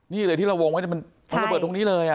นี่เลยที่เราวงไว้มันระเบิดตรงนี้เลย